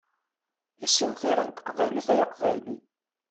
Issin tira n teqbaylit ay aqbayli!